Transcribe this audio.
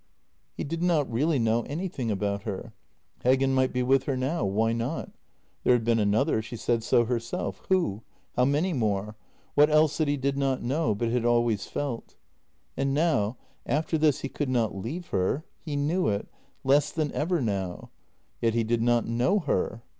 He did not really know anything about her. Heggen might be with her now — why not ? There had been another — she said so herself — who ? How many more ? What else that he did not know — but had always felt ?... And now — after this he could not leave her; he knew it — less than ever now. Yet he did not know her.